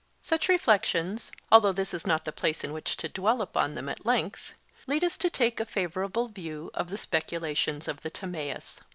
Such reflections, although this is not the place in which to dwell upon them at length, lead us to take a favourable view of the speculations of the Timaeus.